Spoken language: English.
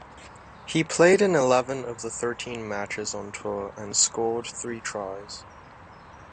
He played in eleven of the thirteen matches on tour and scored three tries.